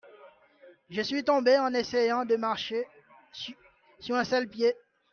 je suis tombé en essayant de marcher sur un seul pied.